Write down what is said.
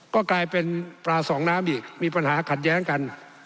ก็กลายเป็นปลาสองน้ำอีกมีปัญหาขัดแย้งกัน